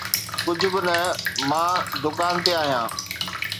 ڪجھ به نه، مان دڪان تي آهيان.